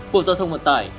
bộ giao thông vận tải